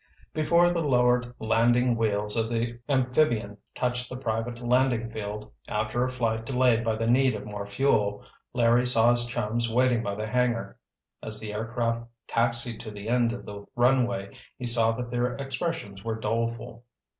Before the lowered landing wheels of the amphibian touched the private landing field, after a flight delayed by the need of more fuel, Larry saw his chums waiting by the hangar. As the aircraft taxied to the end of the runway he saw that their expressions were doleful.